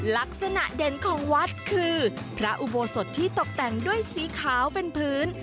ลักษณะเด่นของวัดคือพระอุโบสถที่ตกแต่งด้วยสีขาวเป็นพื้น